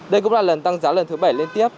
đây cũng là lần tăng giá lần thứ bảy liên tiếp